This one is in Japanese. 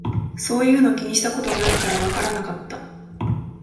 そういうの気にしたことないからわからなかった